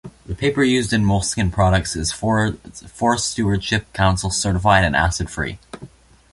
The paper used in Moleskine products is Forest Stewardship Council certified and acid-free.